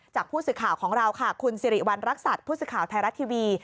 จากผู้สื่อข่าวของเราค่ะคุณสิริวัณรักษัตริย์ผู้สื่อข่าวไทยรัฐทีวี